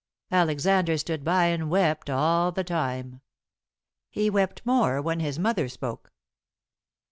Alexander stood by and wept all the time. He wept more when his mother spoke.